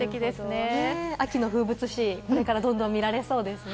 秋の風物詩、これからどんどん見られそうですね。